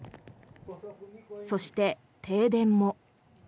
そして、停電も。